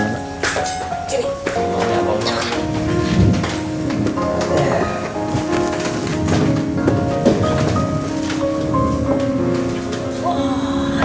kau udah cuci tangan